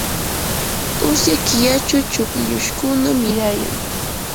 usya killachu chukllushkuna mirayan.